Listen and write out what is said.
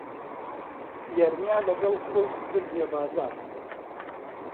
یەرمیا لەگەڵ خۆی بردمییە بازاڕ